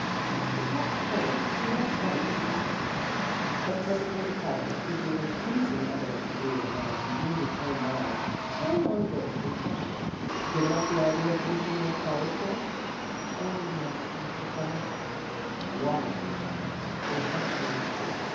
The talk turned to less delicate topics. But presently the caller, who gave increasing evidence of being a man who knew his own mind, turned on Grace with a question. " Given up the idea of finishing your college course? "" O, yes, Mr. Clement." " Why? " Grace hesitated.